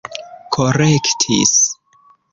korektis